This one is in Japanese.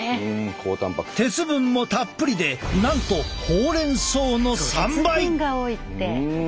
鉄分もたっぷりでなんとほうれん草の３倍！